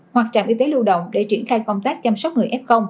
hoặc trạm y tế lưu động để triển khai công tác chăm sóc người f